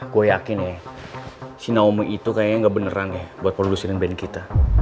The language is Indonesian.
gue yakin ya si naomi itu kayaknya nggak beneran ya buat produsen band kita